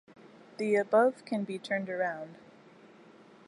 The above can be turned around.